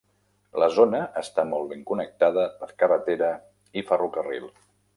La zona està molt ben connectada per carretera i ferrocarril.